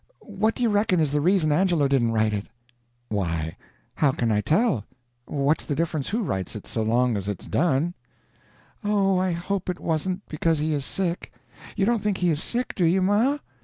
What do you reckon is the reason Angelo didn't write it?" "Why, how can I tell? What's the difference who writes it, so long as it's done?" "Oh, I hope it wasn't because he is sick! You don't think he is sick, do you, ma?"